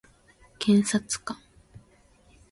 検察官